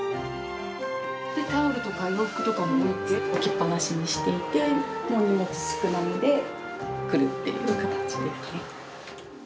タオルとか洋服とかも置いた置きっぱなしにしてて、荷物少なめで来るっていう形ですね。